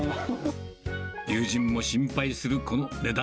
友人も心配するこの値段。